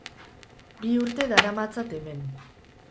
Bi urte daramatzat hemen.